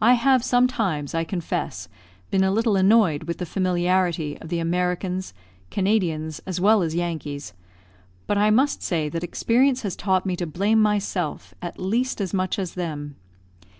I have sometimes, I confess, been a little annoyed with the familiarity of the Americans, Canadians as well as Yankees; but I must say that experience has taught me to blame myself at least as much as them.